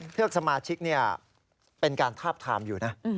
เทือกสมาชิกเป็นการทาบทามอยู่นะ